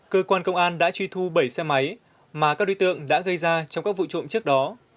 cơ quan công an đã truy thu bảy xe máy mà các đối tượng đã gây ra trong các vụ trộm trước đó